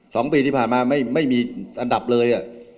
สองปีที่ผ่านมาไม่มีอันดับเลย